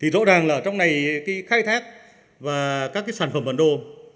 rõ ràng là trong này khai thác và các sản phẩm bản đồ